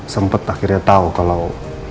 sempat akhirnya tahu kalau